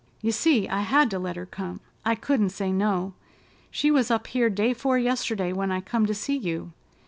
You see, I had to let her come. I couldn't say no. She was up here day 'fore yesterday, when I come to see you.